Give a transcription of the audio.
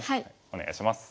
お願いします。